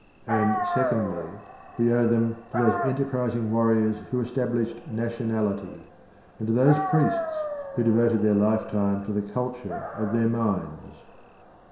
And, secondly, we owe them to those enterprising warriors who established nationality, and to those priests who devoted their lifetime to the culture of their minds.